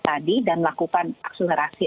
tadi dan melakukan akselerasi